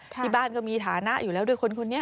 ที่บ้านก็มีฐานะอยู่แล้วด้วยคนคนนี้